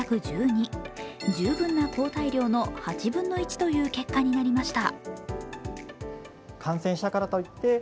十分な抗体量の８分の１という結果になりました。